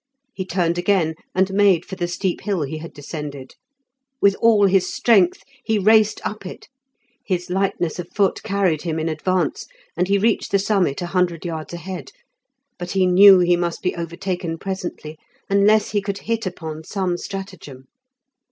He turned again and made for the steep hill he had descended. With all his strength he raced up it; his lightness of foot carried him in advance, and he reached the summit a hundred yards ahead; but he knew he must be overtaken presently, unless he could hit upon some stratagem.